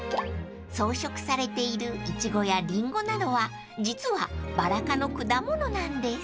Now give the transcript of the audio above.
［装飾されているイチゴやリンゴなどは実はバラ科の果物なんです］